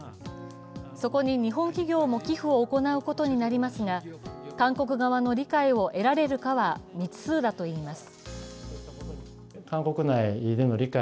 そこに日本企業も寄付を行うことになりますが、韓国側の理解を得られるかは、未知数だといいます。